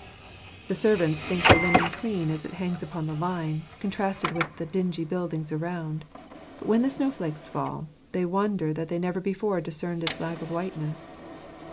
The servants think the linen clean as it hangs upon the line, contrasted with the dingy buddings around ; but when the snowflakes fall, they wonder that they never before discerned its lack of white ness.